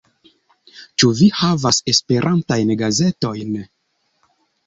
Ĉu vi havas esperantajn gazetojn?